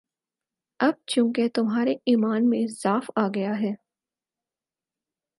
اب چونکہ تمہارے ایمان میں ضعف آ گیا ہے،